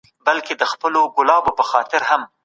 کاناډا ولي افغان کډوالو ته د ځای ورکولو پروګرام ګړندی کړ؟